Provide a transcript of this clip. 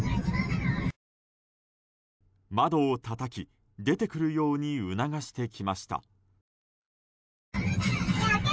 窓をたたき出てくるように促してきました。